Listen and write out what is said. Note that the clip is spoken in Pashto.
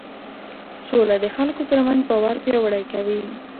سوله د خلکو ترمنځ باور پیاوړی کوي